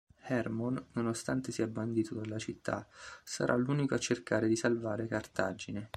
Hermon, nonostante sia bandito dalla città, sarà l'unico a cercare di salvare Cartagine.